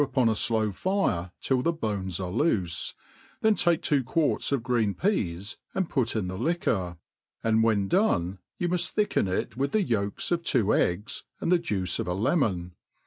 upon a flow fire till the bones arc loofc ; therj take two quarts of sreM pca«$ *"^ P"' *"^^^ ^q^xor ; and when done, yot» muft thicken it. with the yolks of two eggs, and the juice of a lemon.